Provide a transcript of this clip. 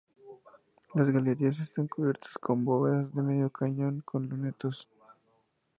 Las galerías están cubiertas con bóvedas de medio cañón con lunetos.